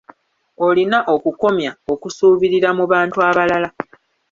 Olina okukomya okusuubirira mu bantu abalala.